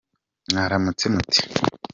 Mwaramutse mute